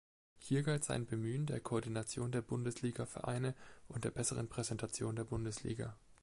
Hier galt sein Bemühen der Koordination der Bundesligavereine und der besseren Präsentation der Bundesliga.